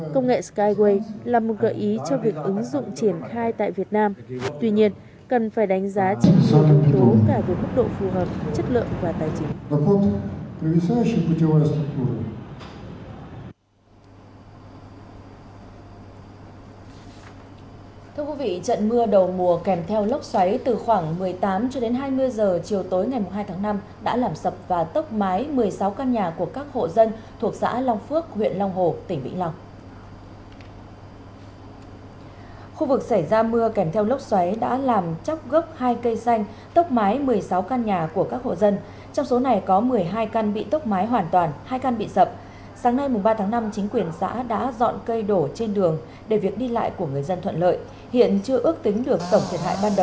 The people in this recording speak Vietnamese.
công nghệ skyway là một gợi ý cho việc ứng dụng triển khai tại việt nam tuy nhiên cần phải đánh giá chất lượng yếu tố cả về mức độ phù hợp chất lượng và tài chính